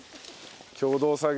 共同作業。